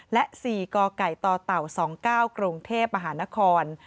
และ๔กกตเต่า๒๙กรุงเทพมหานคร